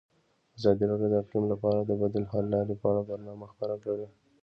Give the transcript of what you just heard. ازادي راډیو د اقلیم لپاره د بدیل حل لارې په اړه برنامه خپاره کړې.